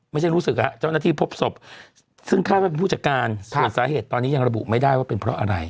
รู้สึกเจ้าหน้าที่พบศพซึ่งคาดว่าเป็นผู้จัดการส่วนสาเหตุตอนนี้ยังระบุไม่ได้ว่าเป็นเพราะอะไร